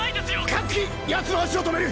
各機ヤツの足を止める。